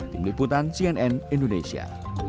tim liputan cnn indonesia